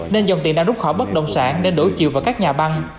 nên dòng tiền đang rút khỏi bất đồng sản để đổi chiều vào các nhà băng